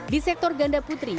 di sektor ganda putri